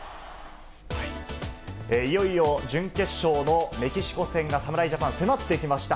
いよいよ準決勝のメキシコ戦が侍ジャパン、迫ってきました。